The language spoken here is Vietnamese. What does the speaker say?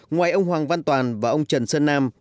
ngoài ông hoàng văn toàn và ông trần sơn nam